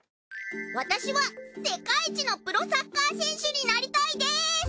私は世界一のプロサッカー選手になりたいです！